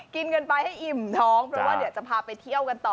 กินกันไปให้อิ่มท้องเพราะว่าเดี๋ยวจะพาไปเที่ยวกันต่อ